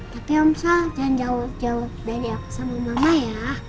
tapi hamsah jangan jauh jauh dari aku sama mama ya